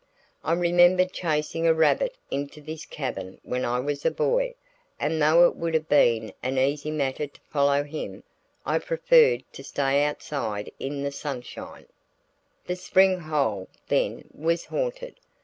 I remembered chasing a rabbit into this cavern when I was a boy, and though it would have been an easy matter to follow him, I preferred to stay outside in the sunshine. The spring hole, then, was haunted.